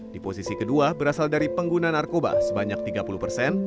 di posisi kedua berasal dari pengguna narkoba sebanyak tiga puluh persen